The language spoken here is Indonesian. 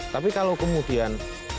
tapi kalau kemudian